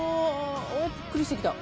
ぷっくりしてきた。